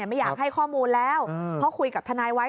ไม่อยากให้ข้อมูลแล้วเพราะคุยกับทนายไว้